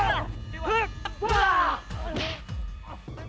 tepi tadi dia wong